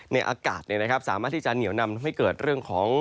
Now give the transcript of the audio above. ในอากาศเนี่ยนะครับสามารถที่จะเหนียวนำให้เกิดเรื่องของ